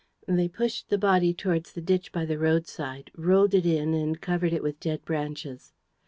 They pushed the body towards the ditch by the road side, rolled it in and covered it with dead branches.